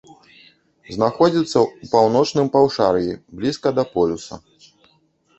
Знаходзіцца ў паўночным паўшар'і, блізка да полюса.